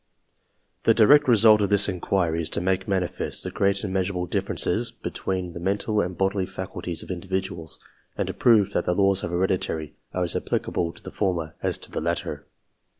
The direct result of this inquiry is to make manifest the great and measurable differences between the mental and lily faculties of individuals, and to prove that the laws )f heredity are as applicable to the former as to the latter.